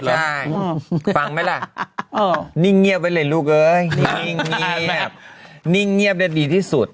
ใช่ฟังไหมล่ะนิ่งเงียบไว้เลยลูกเอ้ยนิ่งเงียบนิ่งเงียบได้ดีที่สุด